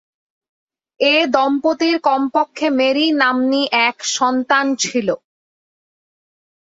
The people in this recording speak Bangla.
এ দম্পতির কমপক্ষে মেরি নাম্নী এক সন্তান ছিল।